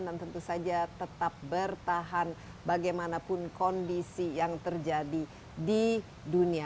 dan tentu saja tetap bertahan bagaimanapun kondisi yang terjadi di dunia